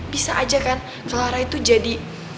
bisa aja kan clara itu jadi